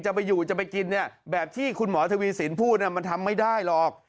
จะไปอยู่จะไปกินเนี่ยแบบที่คุณหมอทวีสินพูดมันทำไม่ได้หรอก